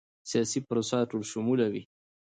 سیاسي پروسه ټولشموله وي